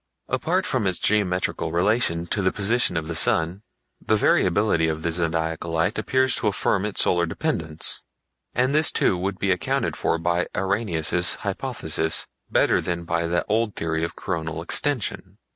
Apart from its geometrical relations to the position of the sun, the variability of the Zodiacal Light appears to affirm its solar dependence, and this too would be accounted for by Arrhenius' hypothesis better than by the old theory of coronal extension.